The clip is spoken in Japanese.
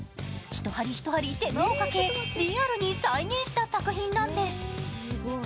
１針１針手間をかけ、リアルに再現した作品なんです。